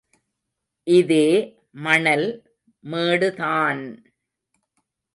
இதே மணல் மேடுதான்...!